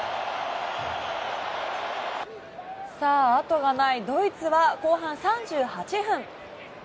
後がないドイツは後半３８分。